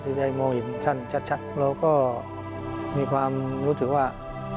ได้มองเห็นท่านชัดแล้วก็มีความรู้สึกว่า